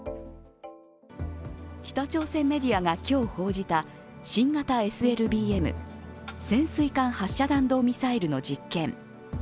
北朝鮮メディアが今日報じた新型ＳＬＢＭ＝潜水艦発射弾道ミサイルの実験。